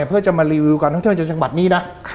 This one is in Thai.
เพื่อจะมารีวิวการท่องเที่ยวในจังหวัดนี้นะ